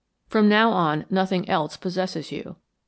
From now on nothing else possesses you.